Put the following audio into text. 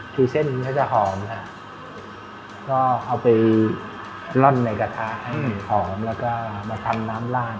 คือเส้นมันก็จะหอมค่ะก็เอาไปร่อนในกระทะอืมหอมแล้วก็มาทำน้ำร้าน